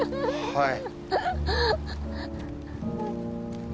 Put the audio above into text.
はい。